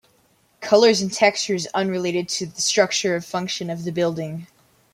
Colors and textures unrelated to the structure of function of the building.